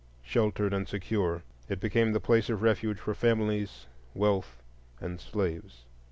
Sheltered and secure, it became the place of refuge for families, wealth, and slaves.